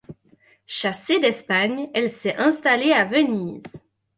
Chassée d'Espagne, elle s'est installée à Venise.